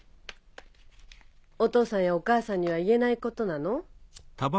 おとうさんやおかあさんには言えないことなの？